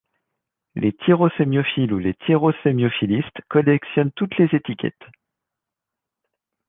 Les tyrosémiophiles ou tyrosémiophilistes collectionnent toutes les étiquettes.